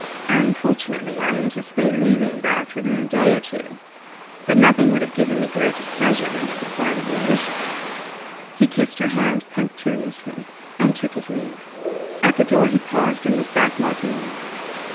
"Unfortunately I anticipate leaving Bath within a day or two. But nothing would have given me greater pleasure than to comply with your wishes." He kissed her hand punctiliously, and took his leave. At the door he paused, and looked back mockingly.